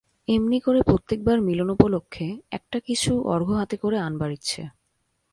এমনি করে প্রত্যেকবার মিলন উপলক্ষে একটা-কিছু অর্ঘ্য হাতে করে আনবার ইচ্ছে।